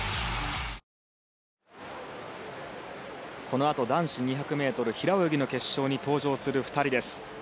このあと男子２００ｍ平泳ぎの決勝に登場する２人です。